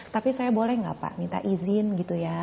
tapi saya boleh nggak pak minta izin gitu ya